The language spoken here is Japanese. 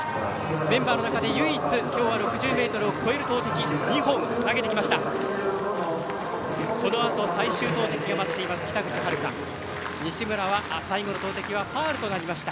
メンバーの中で唯一今日は６０ｍを超える投てきを２本、投げてきました。